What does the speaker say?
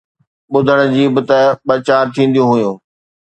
ٻُڌڻ جي به ته ٻه چار ٿينديون هيون